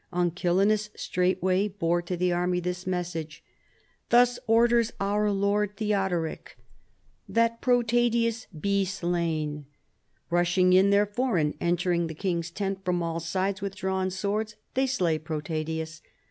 Uncilenus straightway bore to tlie array this message: ' Thus orders our lord Theo doric, that Protadius be slain.' Rushing in, there fore, and entering the king's tent from all sides with drawn swords, they slay Protadius.